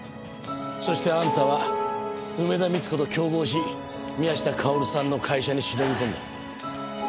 そしてあんたは梅田三津子と共謀し宮下薫さんの会社に忍び込んだ。